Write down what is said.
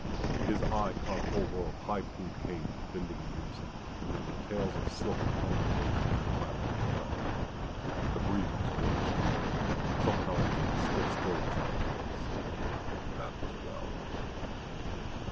His eye caught a whole row of high plumed canes bending in unison, and then the tails of silk that hung before his neck flapped and fell. The breeze was growing stronger. Somehow it took the stiff stillness out of things and that was well.